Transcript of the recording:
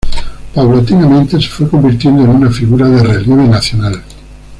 Paulatinamente se fue convirtiendo en una figura de relieve nacional.